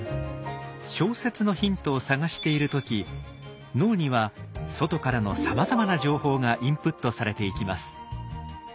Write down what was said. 小説のヒントを探している時脳には外からのさまざまな情報がインプットされていきます。